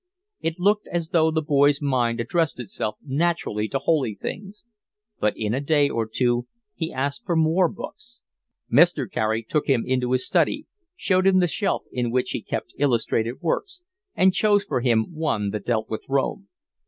It looked as though the boy's mind addressed itself naturally to holy things. But in a day or two he asked for more books. Mr. Carey took him into his study, showed him the shelf in which he kept illustrated works, and chose for him one that dealt with Rome.